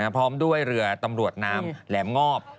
พร้อมด้วยเรือตำรวจนามแหลมงอบ